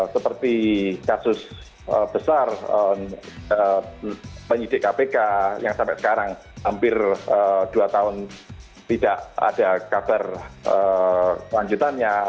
seperti kasus besar penyidik kpk yang sampai sekarang hampir dua tahun tidak ada kabar lanjutannya